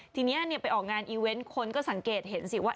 ทีนี้ไปออกงานอีเวนต์คนก็สังเกตเห็นสิว่า